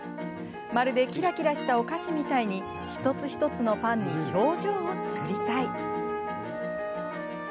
まるでキラキラしたお菓子みたいに一つ一つのパンに表情を作りたい。